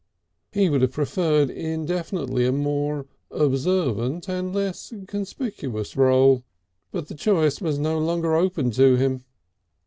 He would have preferred infinitely a more observant and less conspicuous rôle, but the choice was no longer open to him.